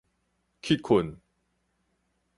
去睏